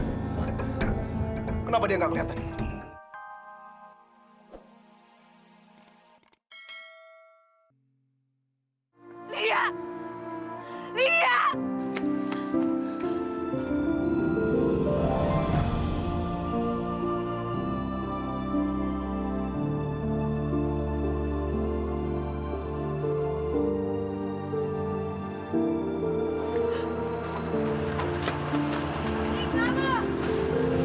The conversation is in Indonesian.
ini ngapain sih ke tempat keundangan